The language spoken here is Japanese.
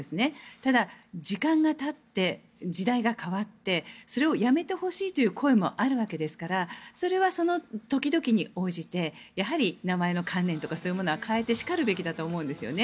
ただ、時間がたって時代が変わってそれをやめてほしいという声もあるわけですからそれはその時々に応じてやはり名前の観念というのはそういうものは変えてしかるべきだと思うんですよね。